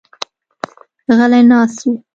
غلي ناست وو.